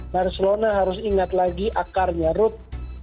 barcelona harus ingat lagi akarnya ruth